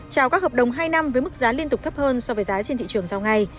trào các hợp đồng hai năm với mức giá liên tục thấp hơn so với giá trên thị trường giao ngay